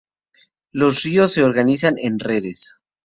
Los ríos se organizan en redes.